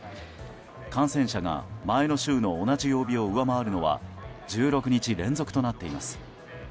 感染者が前の週の同じ曜日を上回るのは１６日連続となっています。